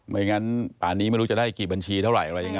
ไม่งั้นป่านนี้ไม่รู้จะได้กี่บัญชีเท่าไหร่อะไรยังไง